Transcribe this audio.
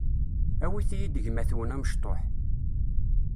awit-iyi-d gma-twen amecṭuḥ.